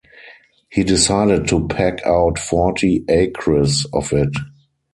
He decided to peg out forty acres of it.